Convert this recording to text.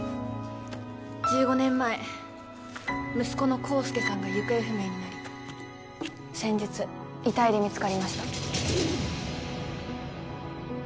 １５年前息子の康介さんが行方不明になり先日遺体で見つかりました